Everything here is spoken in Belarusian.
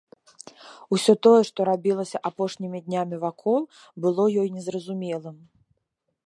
Усё тое, што рабілася апошнімі днямі вакол, было ёй незразумелым.